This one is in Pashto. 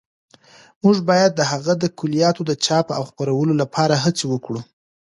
موږ باید د هغه د کلیات د چاپ او خپرولو لپاره هڅې وکړو.